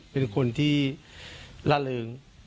เป็นคนที่ล่าเริง